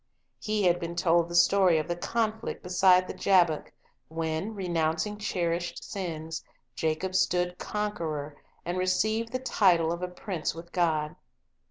He had been told the story of the conflict beside the Jabbok, when, renouncing cherished sins, Jacob stood conqueror, and received the title of a prince with God.